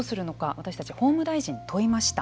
私たちは法務大臣に問いました。